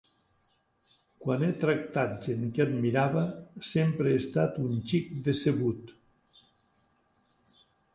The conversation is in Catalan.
Quan he tractat gent que admirava, sempre he estat un xic decebut.